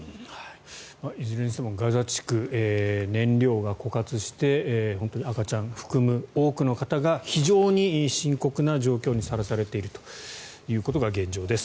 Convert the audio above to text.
いずれにしてもガザ地区、燃料が枯渇して本当に赤ちゃん含む多くの方が非常に深刻な状況にさらされているということが現状です。